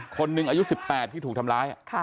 คนหนึ่งอายุ๑๘ที่ถูกทำร้าย